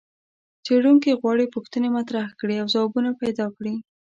څېړونکي غواړي پوښتنې مطرحې کړي او ځوابونه پیدا کړي.